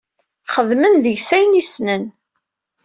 Xedmen deg-s ayen i ssnen.